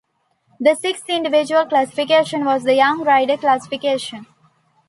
The sixth individual classification was the young rider classification.